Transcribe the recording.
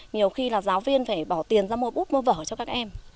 nhiều khi là giáo viên phải bỏ tiền ra mua bút mua vở cho các em